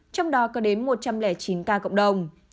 trong đó có đến một trăm linh chín ca cộng đồng